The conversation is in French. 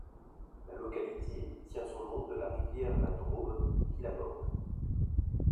La localité tient son nom de la rivière la Drôme qui la borde.